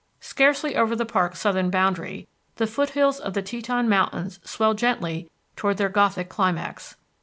Scarcely over the park's southern boundary, the foothills of the Teton Mountains swell gently toward their Gothic climax.